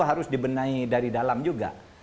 harus dibenahi dari dalam juga